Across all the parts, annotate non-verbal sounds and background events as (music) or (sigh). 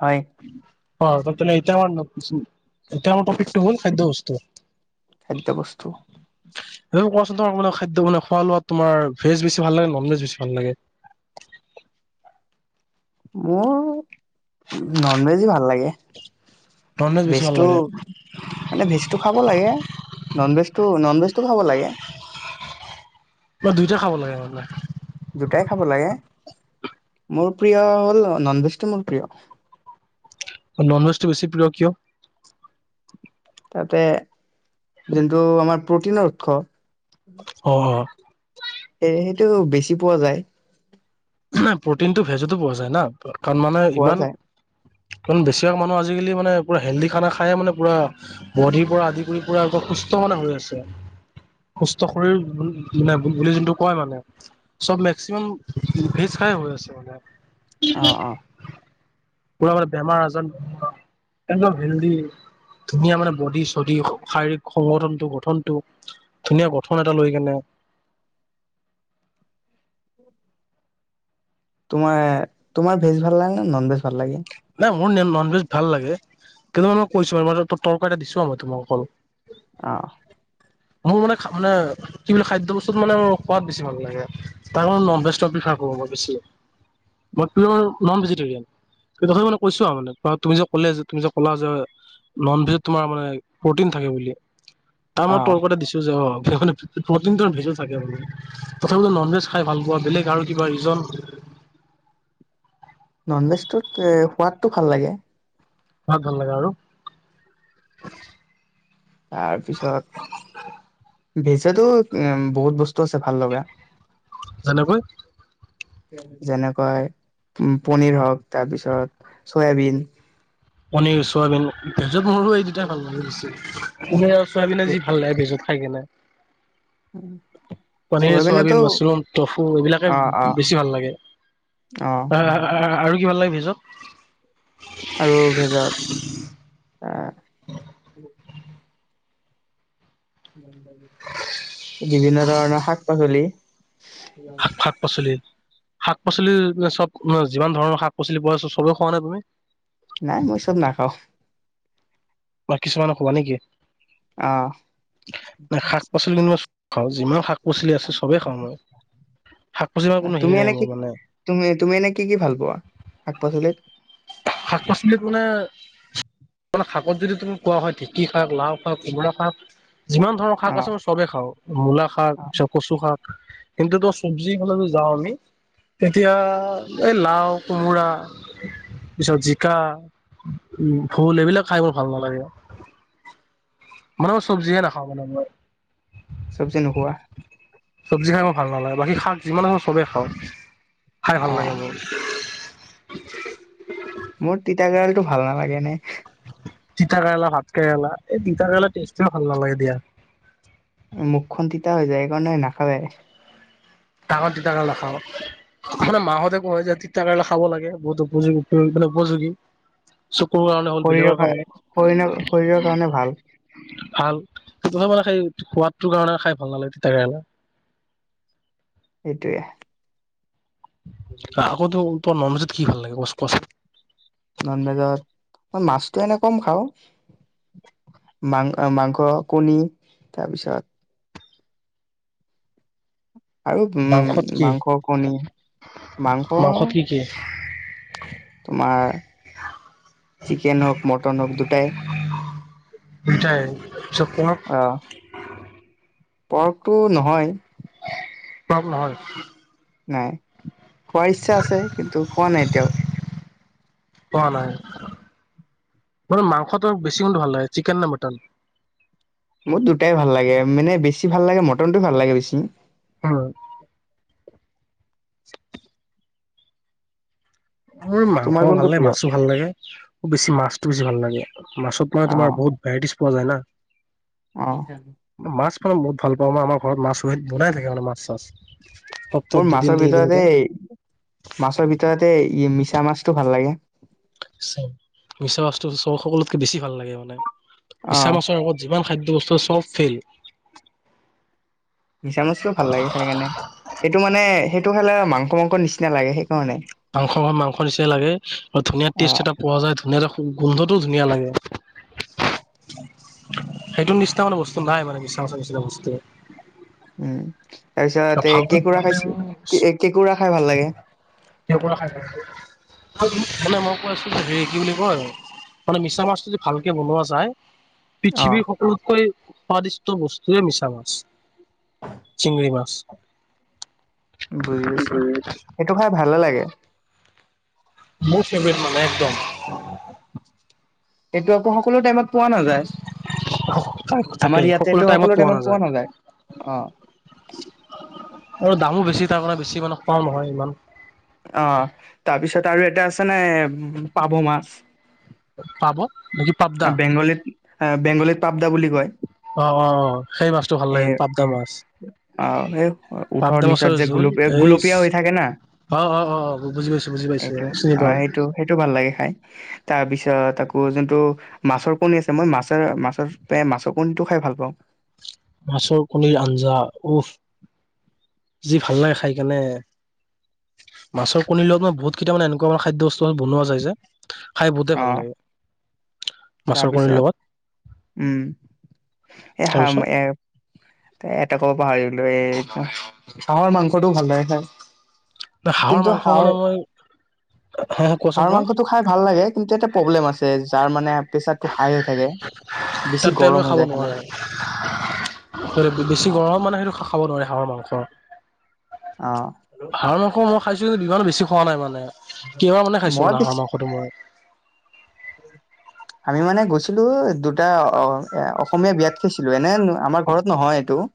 হয়। অ তেন্তে এতিয়া আমাৰ এতিয়া আমাৰ টপিক টো হল খাদ্য বস্তু। খাদ্যবস্তু। কোৱাচোন তোমাৰ খাদ্য মানে খোৱা লোৱা তোমাৰ ভেজ বেছি ভাল লাগে নন ভেজ বেছি ভাল লাগে, মোৰ নন ভেজে ভাল লাগে নন ভেজ বেছি ভাল ভেজটো, লাগে মানে ভেজটো খাব লাগে নন ভেজ টো নন ভেজ টো খাব লাগে। বা দুইটা খাব লাগে মানে মানুহে। দুটাই খাব লাগে, মোৰ প্ৰিয় হ'ল ননভেজটো মোৰ প্ৰিয়। নন ভেজটো বেছি প্ৰিয় কিয়? তাতে জোনটো আমাৰ প্ৰটিনৰ উৎস, অ সেইহেতু বেছি পোৱা যায়। প্ৰটিনটো ভেজতো পোৱা যায় না কাৰণ মানে পোৱা ইমান। যায় কাৰণ বেছিভাগ মানুহ আজিকালি মানে পুৰা হেল্ডি খানা খায় মানে পুৰা, বদি পৰা আদি কৰি পুৰা আকৌ সুস্থ মানে হৈ আছে। সুস্থ শৰীৰ মানে বুলি যোনটো কয় মানে চব মেক্সিমাম, ভেজ খাই হৈ আছে মানে। অ অ পোৰা মানে বেমাৰ আজাৰ একদম হেল্ডি। ধুনীয়া মানে বডি চডি শাৰীৰিক সংগঠনটো গঠনটো। ধুনীয়া গঠন এটা লৈ কেনে, তোমাৰ তোমাৰ ভেজ ভাল লাগে নে নন ভেজ ভাল লাগে, নাই মোৰ নন ভেজ ভাল লাগে কিন্তু মে মই কৈছো তৰ্ক এটা দিছো মই তোমাক অকল। অ মোৰ মানে খাবলে, কি বুলি খাদ্য বস্তুত মানে মোৰ সোৱাদ বেছি ভাল লাগে, তাত মানে ননভেজ টো প্ৰিফাৰ কৰো মই বেছি। মই পিয়ৰ নন ভেজিটেৰিয়ান। তথে মানে কৈছো আৰু মানে তুমি যে ক'লে যে তুমি যে ক'লা যে, নন ভেজত তোমাৰ মানে প্ৰটিন থাকে বুলি তাৰ অ মই তৰ্ক এটা দিছো। অ প্ৰটিন টো ভেজত থাকে বুলি। তথাপিও ননভেজ খাই ভাল পোৱা বেলেগ আৰু কিবা ৰিজন, নন ভেজটোত সোৱাদটো ভাল লাগে। সোৱাদ ভাল লগে আৰু, তাৰ পিছত, ভেজটো উম বহুত বস্তু আছে ভাল লগা। যেনেকৈ যেনেকাই উম পনিৰ হওক তাৰপিছত চয়াবিন। পনীৰ চোৱাবিন ভেজত মোৰ এই দুটাই ভাল লাগে বেচি। পনী আৰু চয়াবিন যি ভাল লাগে বেজত খাইে কেনে। উম পনীৰ চয়াবিন মাছৰুম টফু এইবিলাকে অ অ বেছি ভাল লাগে। অ আ আৰু কি ভাল লাগে ভেজত? আৰু ভেজত আহ, উম বিভিন্ন ধৰণৰ শাক পাচলি, শাক পাচলি শাক পাচলি চ'ব যিমান ধৰণৰ শাক পাচলি পোৱা‌ চবে খোৱা নে তুমি? নাই মই চ'ব নাখাওঁ। বাই কিছুমানক খোৱা নেকি অ নে শাক পাচল পাচলি যেনিবা খাওঁ যিমান শাক পাচলি আছে চবেই খাওঁ মই। শাক পাচলি মানে কোনো তুমি হেৰি নাই এনে কি মোৰ মানে তুমি তুমি এনে কি কি ভাল পোৱা, শাক পাচলিত? শাক পাচলিত মানে, মানে শাকত যদি তুমি কোৱা হয় ঢেঁকী শাক, লাও শাক, কোমোৰা শাক, যিমান শাক অ আছে ন' চ চবে খাওঁ মূলা শাক, অ কচু শাক কিন্তু তো চবজিৰ ফালে যাওঁ আমি তেতিয়া এই লাও, কোমোৰা পিছত জিকা, ভোল এইবিলাক খাই মোৰ ভাল নালাগে। মানে মগ চবজিহে নাখাওঁ মানে মই। চবজি নোখোৱা? চবজি খাই মোৰ ভাল নালাগে, বাকী শাক যিমান আছে চবেই খাওঁ খাই ভাল অ লাগে মোৰ। মোৰ তিতাকেৰেলা টো ভাল নালাগে এনে তিতা কেৰেলা, ভাত কেৰেলা। এই তিতা কেৰেলা টেষ্টটোৱে ভাল নালাগে দিয়া। মুখখন তিতা হৈ যায়। সেইকাৰণে নাখায়ে ডাঙৰ তিতা কেৰেলা খাও, মানে মাহঁতে কয় যে তিতাকেৰেলা খাব লাগে বহুত উপযোগী মানে উপযোগী চকুৰ কাৰণে হ'ল শৰীৰৰ বেলেগৰ শৰীৰৰ শৰীৰৰ কাৰণে কাৰণে ভাল ভাল নহয় মানে সেই সোৱাদটোৰ কাৰণে খাই ভাল নালাগে, তিতা কেৰলা এইটোৱে আকৌতো তোৰ ন'ন ভেজত কি ভাল লাগে ক কোৱাচোন? ন'ন ভেজত মই মাছতটো এনেই কম খাওঁ। মাং এ মাংস কণী তাৰপিছত আৰু উম, মাংসত কি মাংস, কণী, মাংস মাংসত কি কি (unintelligible) তোমাৰ চিকেন হও'ক মটন হও'ক দুটাই। (unintelligible) দুটাই (unintelligible) কোৱৰ অ' পৰ্কটো নহয়। পৰ্ক নহয়। নাই। খোৱাৰ ইচ্ছা আছে, কিন্তু খোৱা নাই এতিয়াও। (unintelligible) খোৱা নাই। মানে মাংস তোমাৰ বেছি কোনটো ভাল লাগে, চিকেন নে মটন? মোৰ দুটাই ভাল লাগে, মানে বেছি ভাল লাগে ম'টন টো ভাল লাগে বেছি। হয় (inaudible) মোৰ মাংস তোমাৰ কোনটো ভাল লাগে, প্ৰিয় মাছো ভাল লাগে, খোব বেছি মাছটো বেছি ভাল লাগে মাছত মানে অ তোমাৰ বহুত ভেৰাইটিছ পোৱা যায় না। অঁ মাছ পালে বহুত ভাল পাওঁ মই, আমাৰ ঘৰত মাছ বনাই থাকে মানে মাছ-চাছ। মোৰ মাছৰ ভিতৰত এই মাছৰ ভিতৰত এই ই মিছা মাছটো ভাল লাগে। চ মিছা মাছটো চব সকলোতকে বেছি ভাল লাগে মানে অ মিছা মাছৰ আগত যিমান খাদ্য বস্তু আছে চ'ব ফেইল। মিছা মাছটোও ভাল লাগে খাই কেনে, সেইটো মানে সেইটো খালে মাংস মাংস নিচিনা লাগে সেই মাংস মাংস নিচিনা লাগে আৰু ধুনীয়া অ টেষ্ট এটা পোৱা যায় ধুনীয়াাকে গোন্ধটোও ধুনীয়া লাগে। সেইটো নিচিনা মানে বস্তু নাই মানে মিচা মাছৰ নিচিনা বস্তু। উমঁ' তাৰ পিছত এই ভালকৈ কেঁকোৰা বনালে আৰু খাইছো, কেঁকোৰা খাই ভাল লাগে। (unintelligible) মানে মই কৈ আছোঁ যে হেৰি কি বুলি কয় মানে মিছা মাছটো যদি ভালকে বনোৱা যায় অ', পৃথিৱীৰ স কলোতকৈ স্বাদদিষ্ট বস্তুয়ে মিছা মাছ, চিঙৰি মাছ। বুজি পাইছো, সেইটো খাই ভালে লাগে। মোৰ ফেভৰেট মানে একদম। (unintelligible) সেইটো আকৌ সকলো টাইমত পোৱা নাযায়, আমাৰ ইয়াতেটো সকলো টাইমত পোৱা নাযায়, অ'। আৰু দামো বেছি তাৰ কাৰণে বেছি মানে খোৱাওঁ নহয় ইমান। অ', তাৰপিছত আৰু এটা আছে নে পাভ মাছ। পাব। বাকী পাবদা বেংগলীত এ, বেংগলীত পাবদা বুলি কয়। অহ'-অহ'-অহ' সেই মাছটো ভাল লাগে পাবদা মাছ। অঁ' সে পাবদা উঠৰ নিচাত যে গুলপীয়া, গুলপীয়া হৈ থাকে না। অহ'-অহ'-অহ'-অহ' বুজি পাইছো বুজি পাইছো এইটো অঁ' চিনি অ', পাওঁ। সেইটো সেইটো ভাল লাগে খাই তাৰ পিছত আকৌ যোনটো মাছৰ কণী আছে মই মাছ মাছৰ মাছৰ কণীটো খাই ভাল পাওঁ। মাছৰ কণীৰ আঞ্জা উফ। যি ভাল লাগে খাই কেনে। মাছৰ কণীৰ লগত মই বহুত কেইটা মানে এনেকুৱা মান খাদ্য বস্তু বনোৱা যায় যে খাই বহুতেই ভাল অ', লাগে। মাছৰ কণীৰ তাৰপিছত লগত উম, এ তাৰপিছত (unintelligible) এ, আকৌ পাহৰিলো এ। হাঁহৰ মাংসটো ভাল লাগে খাই। হাঁহৰ মাংস মানে মই- হা হা কোৱাচোন হাঁহৰ কোৱা মাংসটো খাই ভাল লাগে কিন্তু এটা প্ৰব্লেম আছে যাৰ মানে প্ৰেচাৰটো হাই হৈ থাকে, বেছি গৰম হৈ যায় খালে। সেই বেছি গৰমত মানে সেইটো খাব নোৱাৰে হাঁহৰ মাংস। অ'। হাঁহ মাংস মই খাইছোঁ ইমানো বেছি খোৱা নাই মানে। কেইবাৰ মানে হে খাইছোঁ মই মানে হাঁহৰ বেছি মাংসটো মই। (unintelligible) আমি মানে গৈছিলো দুটা অসমীয়া বিয়াত খাইছিলোঁ এনে আমাৰ ঘৰত নহয় এইটো। (unintelligible)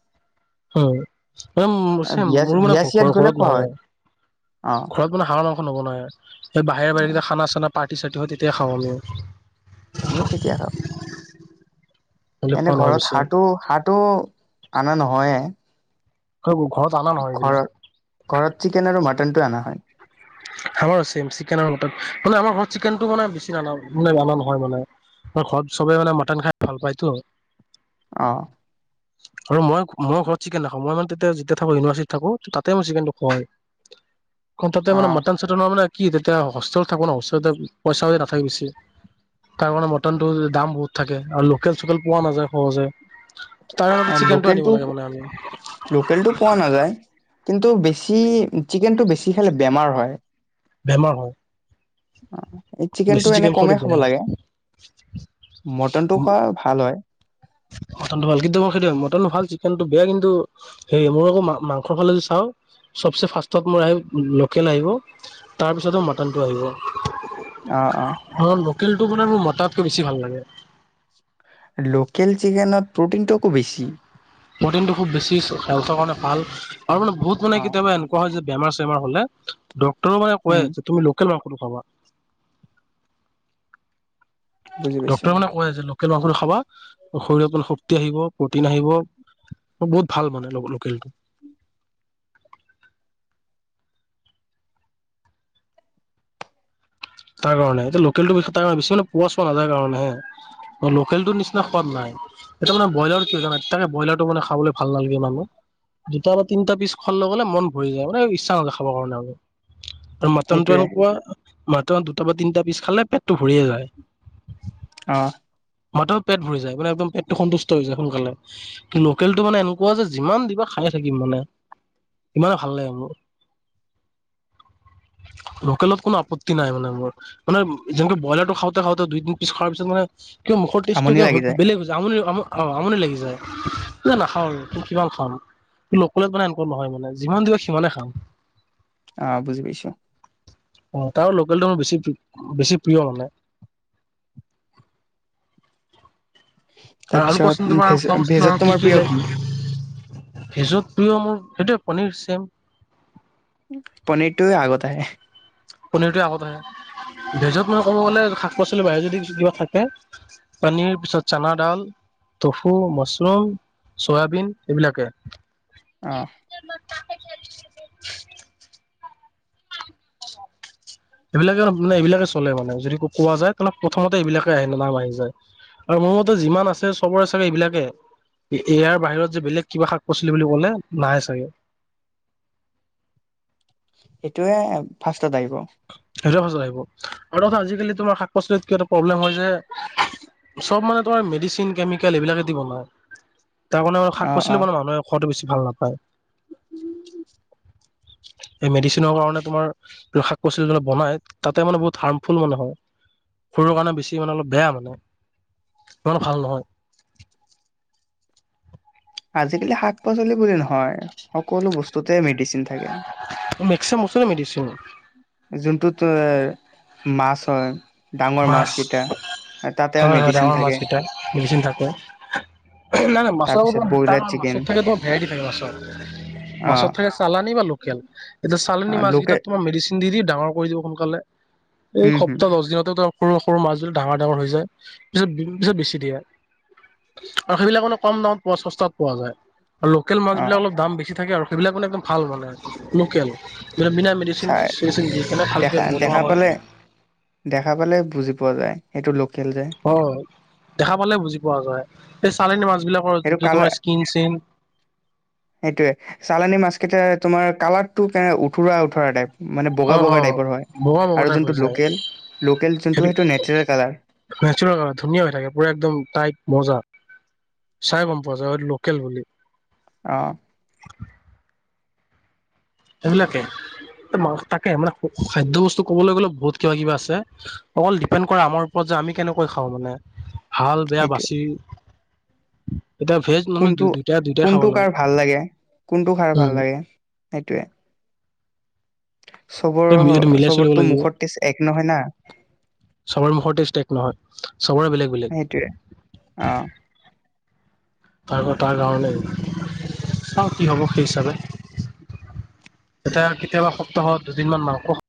উম' চেম বিয়া মোৰো মানে বিয়া চিয়াত ঘৰৰ গ'লে ঘৰত খোৱা হয় নহয়। অ ঘৰত মানে হাঁহৰ মাংস নৱনাই, সেই বাহিৰে বাহিৰে খানা চানা পাৰ্ৱতী চাৰ্টি হয় তেতিয়াই খাওঁ আমি। আমিও তেতিয়া খাওঁ, নহ'লে এনে খোৱা নহয় ঘৰত বেছি হাহটো হ (unintelligible) টো অনা নহয়ে। ঘৰত অনা নহয় এইবিলাক। ঘৰত ঘৰত চিকেন আৰু মাটনটো অনা হয়। আমাৰ সমে মানে আমাৰ ঘৰত চিকেনটো মানে বেছি (unintelligible) অনা নহয় মানে। ঘৰত চবে মানে মাতনটো খাই ভাল পায়টো। অ'। আৰু মই মই ঘৰত চিকেন নাখাওঁ মই যেতিয়া থাকো ইউনিভাৰ্চিটি থাকো তাতেই চিকেনটো খোৱা হয়। কাৰণ তাতে অ মানে মটন চাটনৰ মানে কি তেতিয়া হোষ্টেল থাকো ন হোষ্টেল পইচাই নাথাকে বেছি। তাৰ কাৰণে মটনটো দাম বহুত থাকে আৰু লোকেল চোকেল পোৱা নাযায় সহজে। তাৰ চিকেনটো আনিব লোকেলটো লাগে মানে আমি। লোকেলটো পোৱা নাযায় কিন্তু বেছি চিকেনটো বেছি খালে বেমাৰ হয়। বেমাৰ হয়। এই চিকেন টো বেছি এনে খোৱাটো কমেই খাব বেয়া। লাগে। মটনটো খোৱা ভাল হয়। মটনটো ভাল কিন্তু মই সেইটো মটনটো চিকেনটো কিন্তু সেই মোৰ আকৌ মাংসৰ ফালে যে চাওঁ চবচে ফাষ্টত মোৰ আহিব লোকেল আহিব। তাৰপিছতো মটনটো আহিব। অ', অ'। অ', লোকেলটো মানে মোৰ মতাতকে বেছি ভাল লাগে। লোকেল চিকেনত প্ৰ'টিনটোও আকৌ বেছি। প্ৰটিনটো খুব বেছি হেল্থৰ কাৰণে ভাল আৰু মানে বহুত মানে অ', কেতিয়াবা এনেকুৱা কোৱা হয় যে বেমাৰ চেমাৰ ডক্তৰো উম, কয় যে তুমি লোকেল মাংসটো খাবা। বুজি পাইছো। ডক্তৰে মানে কয় যে লোকেল মাংসটো শৰীৰত অকণ শক্তি, প্ৰটিন আহিব। বহুত ভাল মানে লোকেলটো। তাৰ কাৰণে এতিয়া লোকেলটো বিষয় তাৰ কাৰণে পোৱা নাযায় কাৰণে। অ', লোকেলটো নিচিনা সোৱাদ নাই। এয়া মানে ব্ৰলাৰ কি হয়ান তাকে ব্ৰলাৰটো মানে খাবলৈ ভাল নালাগে মানে। দুটা বা তিনিটা পিছ খোৱ লগে, লগে মন ভৰি যায়, মানে ইচ্ছা নাযায় খাবৰ কাৰণে আৰু। আৰু মাটনটো সেইটোয়ে এনেকুৱা মাটন দুটা বা তিনিটা পিছ খালে পেটটো ভৰিয়ে যায়। অ'। মতেও পেট ভৰি যায় মানে পেটটো সন্তুষ্ট হৈ যায় সোনকালে। লোকেলটো মানে এনেকুৱা যে যিমান দিবাৰ খাইে থাকিম মানে। ইমানে ভাল লাগে মোৰ, লোকেলত কোনো আপত্তি নাই মান মোৰ যেনেকৈ খাওঁতে, খাওঁতে দুইদিন পিছ খোৱাৰ পিছত মানে কিবা মুখৰ তেইজটো আমনি লাগি কিবা বেলেগ হৈ যায়। আমনি অ', আমনি লাগি যায় নাখাও আৰু ত কিমান খাম। সি নকলে মানে এনেকুৱা নহয় মানে যিমান দিয়া সিমানে খাম। অ', বুজি পাইছোঁ। তাৰো লোকেলটো হ'ল বেছি বেছি প্ৰিয় মানে। আৰু তাৰপিছত কচোন তোমাৰ ভেজ খাদ্য বস্তু ভেজত আৰু কি, তোমাৰ কি প্ৰিয় লাগে। ভেজত প্ৰিয় মোৰ সেইটোৱে পনীৰ চেম। পনীৰটো আগত আহে। পনীৰটোৱে আগত আহে ভেজত মই ক'ব গ'লে শাক পাচলি বাহিৰে যদি কিবা থাকে পনীৰ পিছত চানাডাল। টফু মাছৰুম চয়াবিন এইবিলাকে। অ'। এইবিলাকে মানে চলে মানে যদি কোৱা যায় ক'লে প্ৰথমতে এইবিলাকে আহে ন নাম আহি যায়। আৰু মোৰতো যিমান আছে চবৰে চাগে এইবিলাকে। ইয়াৰ বাহিৰত যে বেলেগ কিবা শাক-পাচলি বুলি ক'লে নাহেই চাগে। এইটোৱে ফাৰ্ষ্টত আহিব। সেইটো ফাৰ্ষ্টত আহিব। আৰু কথা আজিকালি তোমাৰ শাক- পাচলিত কিবা এটা প্ৰব্লেম হয় যে চব মানে তোমাৰ মেডিচিন, কেমিকেল এইবিলাকে দি বনাই। তাৰ কাৰণে শাক- অ', পাচলি অ'। মানে মানুহে খোৱাটো বেছি ভাল নাপায়। এই মেডিচিনৰ কাৰণে তোমাৰ। আৰু শাক- পাচলিৰ লগত বনাই তাতে মানে বহুত হাৰ্মফুল মানে হয়। সৰুৰ কাৰণে বেছি মানে অলপ বেয়া মানে, ইমান ভাল নহয়। আজিকালি শাক- পাচলি বুলি নহয়। সকলো বস্তুতে মেডিচিন থাকে। মেক্সিমাম বস্তুৰে মেডিচিন যোনটো ত মাছ হয়। ডাঙৰ মাছ কেইটা তাতেও হয় হয় মেডিচিন ডাঙৰ থাকে। মাছকেইটা মেডিচিন থাকে। নাই মাছ তাৰপিছত ব্ৰইলাৰ চিকেন মাছত থাকে ভেৰাইটি থাকে। মাছৰ- অ মাছত থাকে চালানী বা লোকেল এতিয়া চালনী মাছ লোকে কেইটাক তোমাৰ মেডিচিন দি- দি ডাঙৰ কৰি দিয়ে সোনকালে, এই উম হম সপ্তাহ দহ দিনত। সৰু- সৰু মাছ বিলাক ডাঙৰ- ডাঙৰ হৈ যায়। পিছত- পিছত বেচি দিয়ে। আৰু সেইবিলাক মানে কম দামত পোৱা চস্তাত পোৱা যায়। আৰু লোকেল মাছ অ বিলাক অলপ দাম বেছি থাকে আৰু। সেইবিলাক মানে একদম ভাল মানে লোকেল মানে বিনা মেডিচিন- চাই চেডিচিন দি কিনে দেখা ভালকৈ বনোৱা দেখা হয়। পালে দেখা পালে বুজি পোৱা যায়। সেইটো লোকেল যে। অ, দেখা পালে বুজি পোৱা যায়। এই চালনী মাছ বিলাকৰ সেইটো যোনটো তোমাৰ কালাৰ স্কিন চিন। সেইটোয়ে, চালানি মাছ কেইটাৰ তোমাৰ কালাৰটো কে উঠৰা- উঠৰা টাইপ। মানে অ বগা- অ বগা টাইপৰ হয়, বগা বগা আৰু টাইপ হৈ যোনটো যায় লোকেল- লোকেল যোনটো সেইটো নেচাৰেল কালাৰ। নেচাৰেল হয় ধুনীয়া হৈ থাকে, পুৰা একদম টাইট মজা। চাই গম পোৱা যায়, লোকেল বুলি। অ। সেইবিলাকে, তাকে মানে খাদ্য বস্তু কবলৈ গ'লে বহুত কিবা- কিবা আছে। অকল ডিপেণ্ড কৰে, আমাৰ ওপৰত যে আমি কেনেকৈ খাওঁ মানে। ভাল বেয়া সেইটোৱে বাচি, এতিয়া ভেজ নন ভেজ কোনটো- দুইটা দুইটাই খাব কোনটো কাৰ লাগে ভাল লাগে, কোনটো কাৰ উম ভাল লাগে, সেইটোয়ে। চবৰ এইটো মিলাই চলিব চবৰটো লাগিব মুখত তেজ এক নহয় না। চবৰে মুখৰ ষ্টেট এক নহয়, চবৰে বেলেগ সেইটোয়ে অ বেলেগ। তাৰ- তাৰ কাৰণে চাওঁ কি হ'ব সেই হিচাপে এতিয়া কেতিয়াবা সপ্তাহত দুদিনমান মাংস